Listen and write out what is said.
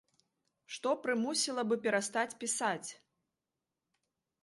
Што прымусіла бы перастаць пісаць?